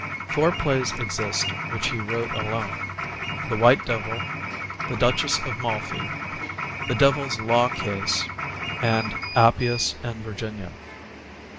Four plays exist which he wrote alone, "The White Devil," "The Duchess of Malfi," "The Devil's Law Case," and "Appius and Virginia."